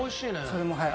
それもはい。